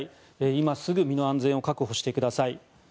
今すぐ身の安全を確保してください。